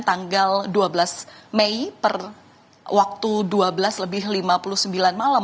tanggal dua belas mei per waktu dua belas lebih lima puluh sembilan malam